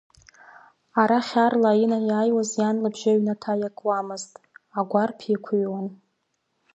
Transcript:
Арахь аарла инаиааиуаз иан лбжьы аҩнаҭа иакуамызт, агәарԥ иқәыҩуан.